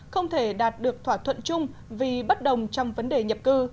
không thể đạt được thỏa thuận chung vì bất đồng trong vấn đề nhập cư